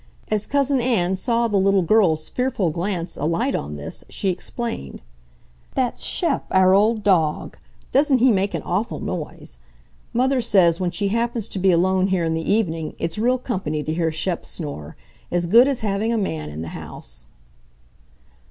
As Cousin Ann saw the little girl's fearful glance alight on this she explained: "That's Shep, our old dog. Doesn't he make an awful noise! Mother says, when she happens to be alone here in the evening, it's real company to hear Shep snore—as good as having a man in the house."